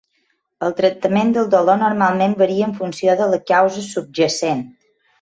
El tractament del dolor normalment varia en funció de la causa subjacent.